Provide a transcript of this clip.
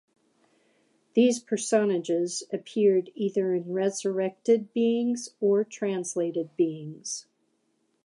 These personages appeared either as resurrected beings or as translated beings.